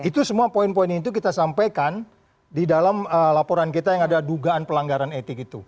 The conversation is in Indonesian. itu semua poin poin itu kita sampaikan di dalam laporan kita yang ada dugaan pelanggaran etik itu